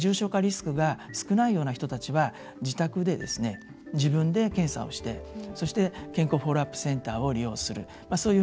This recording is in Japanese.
一方で、重症化リスクが少ない人は自宅で検査して自分で検査をして、そして健康フォローアップセンターを利用する。